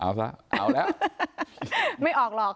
เอาซะเอาแล้วไม่ออกหรอก